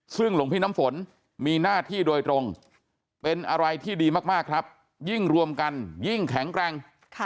ซึ่งหลวงพี่น้ำฝนมีหน้าที่โดยตรงเป็นอะไรที่ดีมากครับยิ่งรวมกันยิ่งแข็งแกร่ง